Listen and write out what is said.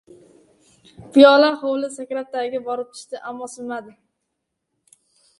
Piyola hovli sakrab tagiga borib tushdi. Ammo sinmadi